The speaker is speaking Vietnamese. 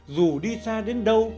dù đi xa đến đâu